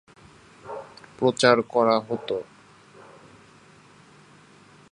প্রচার করা হত।